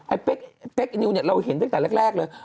เป๊กไอ้เป๊กไอนิวเนี่ยเราเห็นตั้งแต่แรกเลย